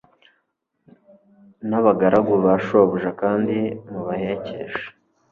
n abagaragu ba shobuja kandi mubahekeshe